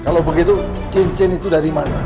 kalau begitu cincin itu dari mana